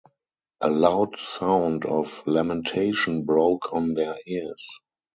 A loud sound of lamentation broke on their ears.